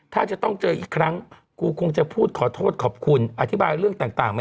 น่าจะอยู่ข้างแรกไหม